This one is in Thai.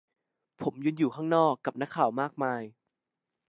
ผมยืนอยู่ข้างนอก กับนักข่าวมากมาย